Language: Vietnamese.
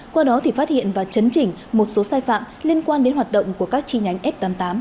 qua đó thì phát hiện và chấn chỉnh một số sai phạm liên quan đến hoạt động của các chi nhánh f tám mươi tám